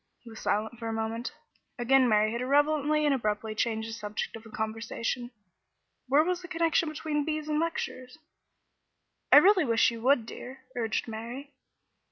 He was silent for a moment. Again Mary had irrelevantly and abruptly changed the subject of conversation. Where was the connection between bees and lectures? "I really wish you would, dear," urged Mary.